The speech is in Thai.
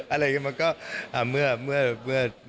อะไรอย่างเงี้ยมันก็